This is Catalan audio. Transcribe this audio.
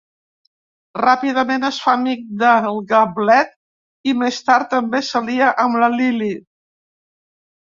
Ràpidament es fa amic del Gavlet i més tard també s'alia amb la Lily.